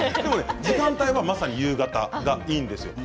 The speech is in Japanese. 時間帯は夕方がいいんです。